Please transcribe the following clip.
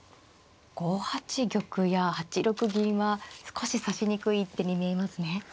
５八玉や８六銀は少し指しにくい一手に見えますね。